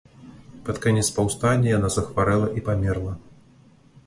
Пад канец паўстання яна захварэла і памерла.